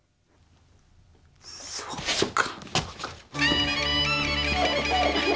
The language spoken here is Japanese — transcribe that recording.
そっか。